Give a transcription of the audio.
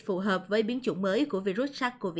phù hợp với biến chủng mới của virus sars cov hai